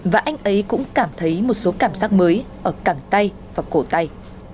và anh ấy cũng cảm thấy một số cảm giác mới ở cẳng tay và cổ tay